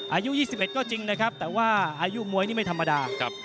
อายุ๒๑ก็จริงนะครับแต่ว่าอายุมวยนี่ไม่ธรรมดา